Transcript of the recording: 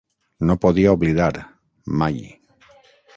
No podia oblidar, mai.